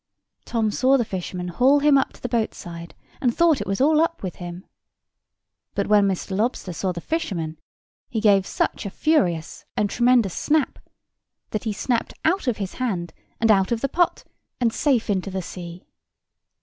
Tom saw the fisherman haul him up to the boat side, and thought it was all up with him. But when Mr. Lobster saw the fisherman, he gave such a furious and tremendous snap, that he snapped out of his hand, and out of the pot, and safe into the sea.